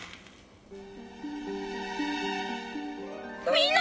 みんな！